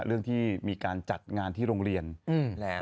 เรื่องที่มีการจัดงานที่โรงเรียนแล้ว